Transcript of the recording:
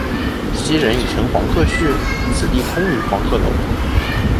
昔人已乘黄鹤去，此地空余黄鹤楼。